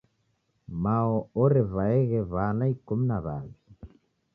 Mao orevaeghe w'ana ikumi na w'awi.